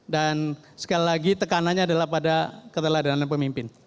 sekali lagi tekanannya adalah pada keteladanan pemimpin